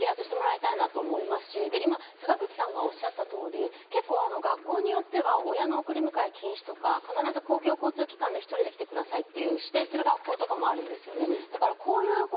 ちゃんと身元をつきとめて摘発してもらいたいと思いますが、坂口さんがおっしゃった通り、学校によっては、親の送り迎え禁止とか、必ず公共交通機関で１人で来てくださいと指定している学校もあります。